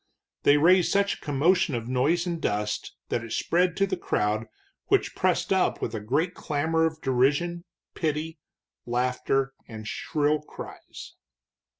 They raised such a commotion of noise and dust that it spread to the crowd, which pressed up with a great clamor of derision, pity, laughter, and shrill cries.